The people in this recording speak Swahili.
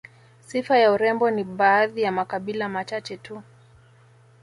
Sifa ya urembo ni baadhi ya makabila machache tu